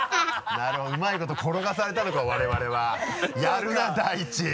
なるほどうまいこと転がされたのか我々は。やるな！だいち。